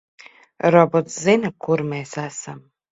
Robots zina, kur mēs esam.